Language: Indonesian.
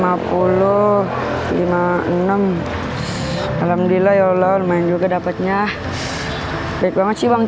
dua ribu empat puluh empat puluh lima lima puluh lima puluh enam alhamdulillah ya allah lumayan juga dapatnya baik banget sih uang